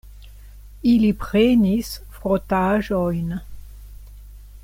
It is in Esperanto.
Ili prenis frotaĵojn.